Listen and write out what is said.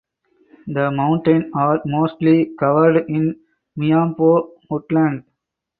The mountains are mostly covered in miombo woodland.